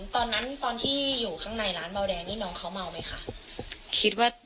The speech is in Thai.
ตอนนั้นตอนที่อยู่ข้างในร้านเบาแดงนี่น้องเขาเมาไหมคะ